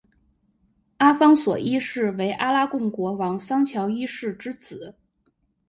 阿方索一世为阿拉贡国王桑乔一世之子。